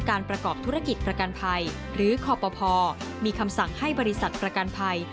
ประกอบธุรกิจประกันภัยหรือคอปภมีคำสั่งให้บริษัทประกันภัย